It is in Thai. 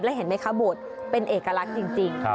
เห็นไหมคะโบสถ์เป็นเอกลักษณ์จริง